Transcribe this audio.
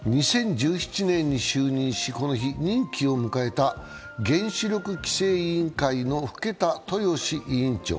２０１７年に就任し、この日、任期を迎えた原子力規制委員会の更田豊志委員長。